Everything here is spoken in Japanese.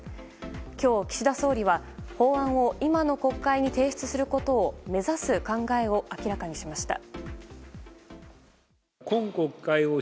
今日、岸田総理は法案を今の国会に提出することを目指す考えを明らかにしました。